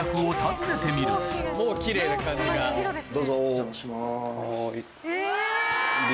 お邪魔します。